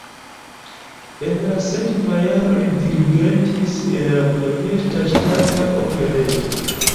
En la sekva jaro li dirigentis en Budapeŝta Ŝtata Operejo.